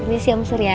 ini si om sur ya